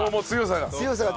強さが。